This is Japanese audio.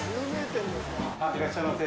いらっしゃいませ。